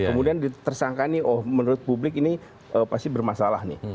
kemudian tersangka ini oh menurut publik ini pasti bermasalah nih